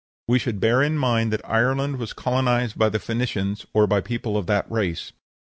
We should bear in mind that Ireland was colonized by the Phoenicians (or by people of that race).